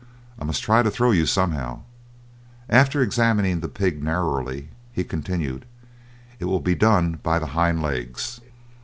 I must try to throw you somehow." After examining the pig narrowly he continued, "It will be done by the hind legs."